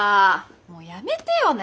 もうやめてよね！